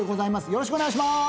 よろしくお願いします